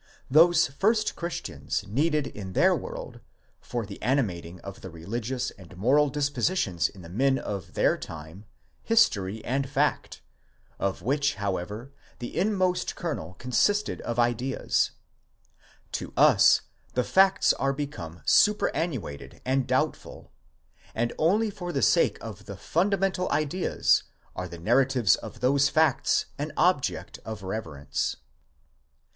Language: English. Those first Christians needed in their world, for the animating of the religious and moral dispositions in the men of their time, history and fact, of which, however, the inmost kernel consisted of ideas : to us, the facts are become superannuated and doubtful, and only for the sake of the fundamental ideas, are the narratives of those facts an object of reverence.